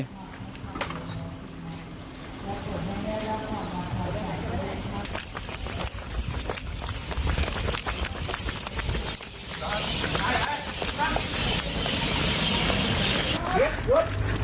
หยุดหยุด